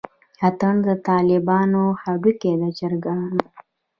اتڼ دطالبانو هډوکے دچرګانو